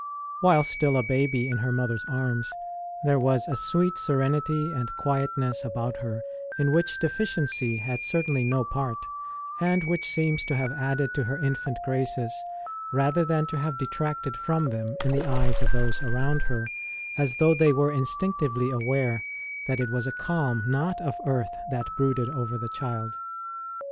While still a baby in her mother s arms, there was a sweet serenity and quietness about her, in which deficiency had certainly no part, and which seems to have added to her infant graces rather than to have detracted from them in the eyes of those around her, as though they were instinctively aware that it was a calm not of earth that brooded over the child.